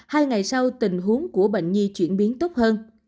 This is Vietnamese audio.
hai ngày sau tình huống của bệnh nhi chuyển biến tốt hơn